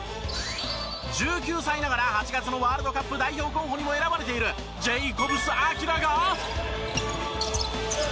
１９歳ながら８月のワールドカップ代表候補にも選ばれているジェイコブス晶が。